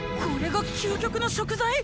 これが究極の食材